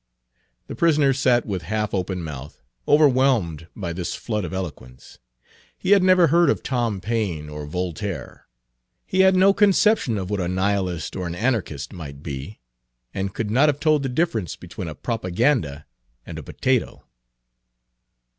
The prisoner sat with half open mouth, overwhelmed by this flood of eloquence. He had never heard of Tom Paine or Voltaire. He had no conception of what a nihilist or an anarchist might be, and could not have told the difference between a propaganda and a potato.